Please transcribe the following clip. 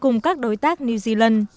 cùng các đối tác new zealand